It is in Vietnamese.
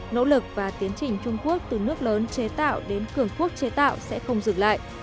nỗ lực và tiến trình trung quốc từ nước lớn chế tạo đến cường quốc chế tạo sẽ không dừng lại